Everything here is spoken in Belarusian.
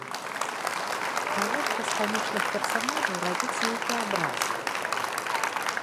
Навошта з камічных персанажаў рабіць нейкі абраз.